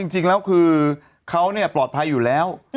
จริงแล้วคือเขาปลอดภัยอยู่แล้ว